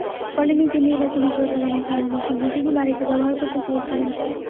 ফলে নিজের নির্বাচনী প্রচারণা চালানোর জন্য তিনি বাড়িটি ব্যবহার করতে চেয়েছিলেন।